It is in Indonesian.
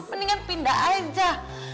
mendingan pindah aja